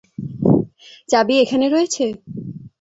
চাবি এখানে রয়েছে?